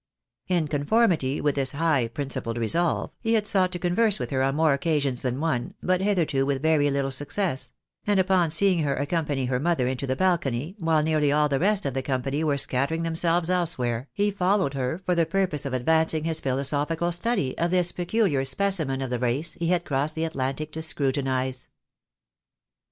In conformity with this high principled resolve, he had sought to converse with her on more occasions than one, but hitherto with very little success ; and, upon seeing her accompany her mother into the balcony, while nearly all the rest of the company were scattering themselves elsewhere, he followed for the purpose of advancing his philosophical study of this pecuUar specimen of the race he had crossed the Atlantic to scrutinise.